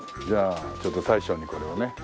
じゃあちょっと大将にこれをね。